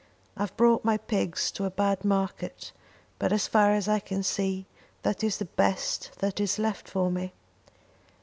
I've brought my pigs to a bad market, but as far as I can see that is the best that is left for me."